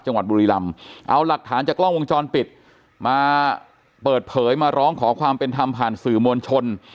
บุรีรำเอาหลักฐานจากกล้องวงจรปิดมาเปิดเผยมาร้องขอความเป็นธรรมผ่านสื่อมวลชน